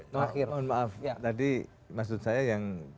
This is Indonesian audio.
tadi maksud saya yang